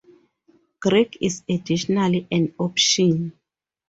Greek is additionally an option.